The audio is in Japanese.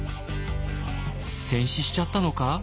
戦死しちゃったのか？